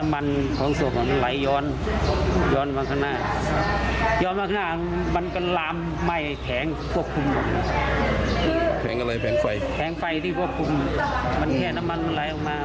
แรงไฟแผงไฟที่ควบคุมมันแค่น้ำมันมันไหลออกมา